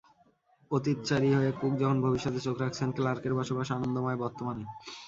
অতীতচারী হয়ে কুক যখন ভবিষ্যতে চোখ রাখছেন, ক্লার্কের বসবাস আনন্দময় বর্তমানে।